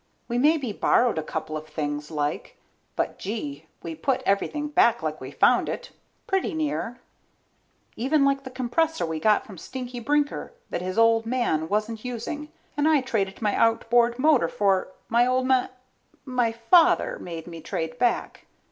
We maybe borrowed a couple of things, like. But, gee, we put everything back like we found it, pretty near. Even like the compressor we got from Stinky Brinker that his old man wasn't using and I traded my outboard motor for, my old m ... my father made me trade back.